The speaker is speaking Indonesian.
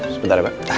sebentar ya pak